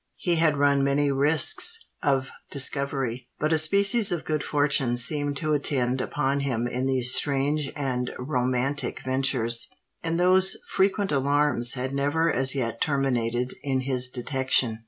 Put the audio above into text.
He had run many risks of discovery; but a species of good fortune seemed to attend upon him in these strange and romantic ventures; and those frequent alarms had never as yet terminated in his detection.